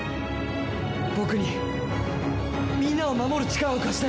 僕にみんなを守る力を貸して！